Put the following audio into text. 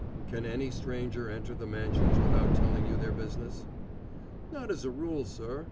"Can any stranger enter the Mansions without telling you their business?" "Not as a rule, sir.